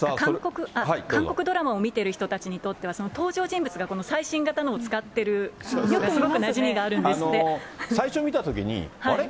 韓国ドラマを見ている人たちにとっては、その登場人物がこの最新型のを使ってるのが、すごくなじみがある最初見たときに、あれ？